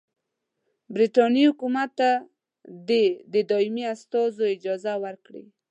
برټانیې حکومت ته دي د دایمي استازو اجازه ورکړي.